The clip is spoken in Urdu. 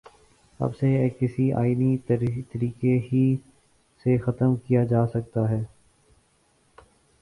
اب اسے کسی آئینی طریقے ہی سے ختم کیا جا سکتا ہے۔